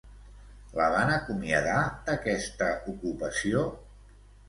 La van acomiadar d'aquesta ocupació?